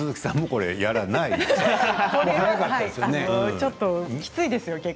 これは、ちょっときついですよ。